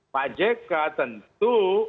pak jk tentu